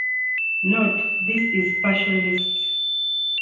Note: This is a partial list.